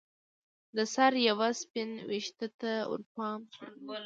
د سر یوه سپین ویښته ته ورپام شو